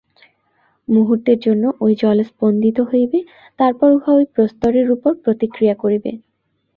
মুহূর্তের জন্য ঐ জল স্পন্দিত হইবে, তারপর উহা ঐ প্রস্তরের উপর প্রতিক্রিয়া করিবে।